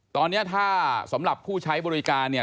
ตอนนี้ถ้าสำหรับผู้ใช้บริการเนี่ย